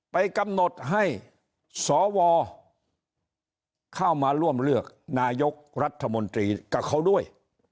ไปกำหนดให้สวเข้ามาร่วมเลือกนายกรัฐมนตรีกับเขาด้วย